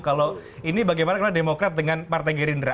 kalau ini bagaimana demokrat dengan partai gerindra